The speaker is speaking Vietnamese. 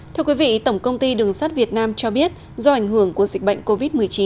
thưa quý vị tổng công ty đường sắt việt nam cho biết do ảnh hưởng của dịch bệnh covid một mươi chín